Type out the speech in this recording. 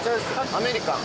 アメリカン？